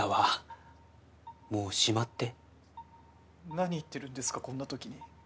何言ってるんですかこんな時に。